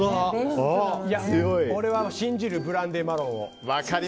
俺は信じるブランデーマロンを。